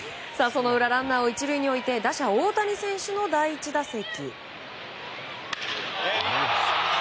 その裏、ランナーを１塁に置いて打者、大谷選手の第１打席。